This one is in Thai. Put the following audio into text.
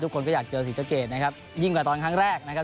คนก็อยากเจอศรีสะเกดนะครับยิ่งกว่าตอนครั้งแรกนะครับ